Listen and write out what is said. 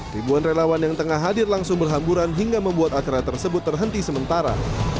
ribuan relawan yang tengah hadir langsung berhamburan hingga membuat acara tersebut terhenti sementara